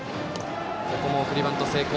ここも送りバント成功。